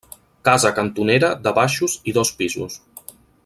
Casa cantonera de baixos i dos pisos.